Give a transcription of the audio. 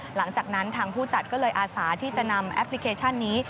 หลังจากนั้นทางผู้จัดก็เลยอาสาที่จะนำแอปพลิเคชันนี้